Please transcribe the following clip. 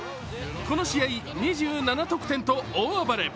この試合２７得点と大暴れ。